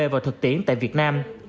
vào thực tiễn tại việt nam